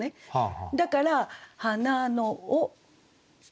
だから「花野を」。